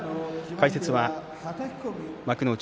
解説は幕内